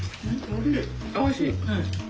おいしい。